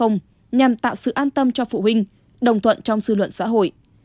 nhằm tạo sự an tâm cho phụ huynh đồng thuận trong dư luận xã hội